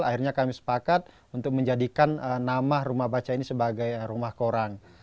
akhirnya kami sepakat untuk menjadikan nama rumah baca ini sebagai rumah koran